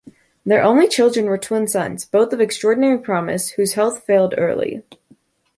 Their only children were twin sons, both of extraordinary promise, whose health failed early.